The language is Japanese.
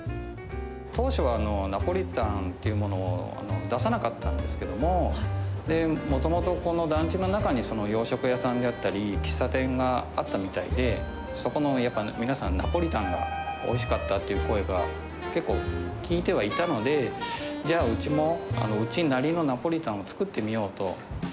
当初はナポリタンっていうものを出さなかったんですけども、もともとこの団地の中に洋食屋さんであったり、喫茶店があったみたいで、そこのやっぱり、皆さん、ナポリタンがおいしかったっていう声が、結構、聞いてはいたので、じゃあうちも、うちなりのナポリタンを作ってみようと。